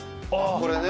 これね？